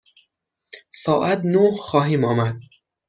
ساعت نه خواهیم آمد.